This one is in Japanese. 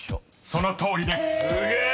［そのとおりです］